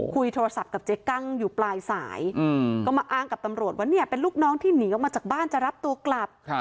คุยโทรศัพท์กับเจ๊กั้งอยู่ปลายสายก็มาอ้างกับตำรวจว่าเนี่ยเป็นลูกน้องที่หนีออกมาจากบ้านจะรับตัวกลับ